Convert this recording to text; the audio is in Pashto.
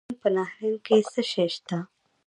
د بغلان په نهرین کې څه شی شته؟